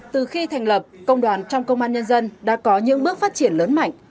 từ khi thành lập công đoàn trong công an nhân dân đã có những bước phát triển lớn mạnh